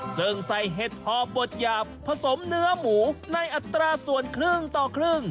ซึ่งใส่เห็ดหอบบดหยาบผสมเนื้อหมูในอัตราส่วนครึ่งต่อครึ่ง